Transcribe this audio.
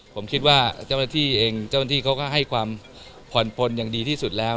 ผมคิดว่าเจ้าหน้าที่เองเจ้าหน้าที่เขาก็ให้ความผ่อนปนอย่างดีที่สุดแล้ว